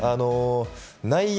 内容